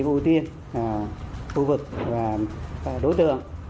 ưu tiên là khu vực và đối trường